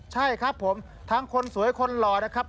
ใช่ครับผมทั้งคนสวยคนหล่อนะครับ